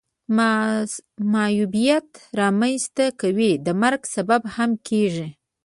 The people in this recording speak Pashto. معیوبیت را منځ ته کوي د مرګ سبب هم کیږي.